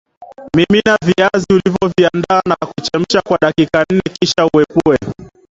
Mimina viazi ulivoviandaa na kuvichemsha kwa dakika nne kisha uepue